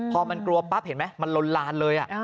พอมันกลัวปั๊บเห็นไหมมันลนลานเลย